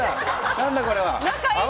何だこれは！